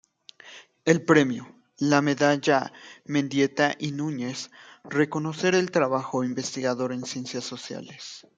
El premio, la medalla Mendieta y Nuñez, reconocer el trabajo investigador en ciencias sociales.